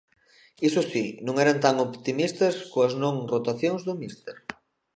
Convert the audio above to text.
Iso si, non eran tan optimistas coas 'non' rotacións do míster.